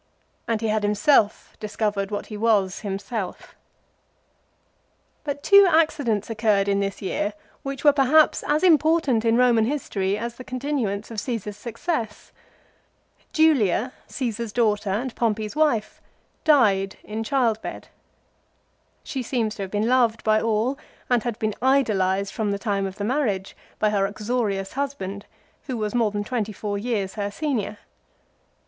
And he had himself discovered what he was him self. But two accidents occurred in this year which were perhaps as important in Roman history as the continuance 1 Ad Att. lib. iv. 16. 2 Ad Fam. lib. vii. 7. CICERO, J1TAT. 52, 53, AND 54. 63 of Caesar's success. Julia, Caesar's daughter and Pompey's wife, died in childbed. She seems to have been loved by all, and had been idolised from the time of the marriage by her uxorious husband who was more than twenty four years her senior.